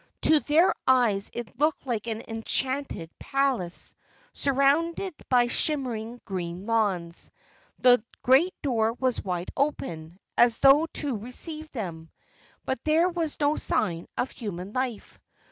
To their eyes it looked like an enchanted palace, surrounded by shimmering green lawns. The great door was wide open, as though to receive them; but there was no sign of human life.